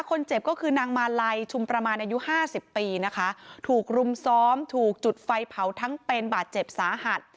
คนเจ็บก็คือนางมาลัยชุมประมาณอายุห้าสิบปีนะคะถูกรุมซ้อมถูกจุดไฟเผาทั้งเป็นบาดเจ็บสาหัส